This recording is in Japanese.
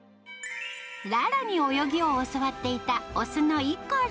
ララに泳ぎを教わっていた雄のイコロ。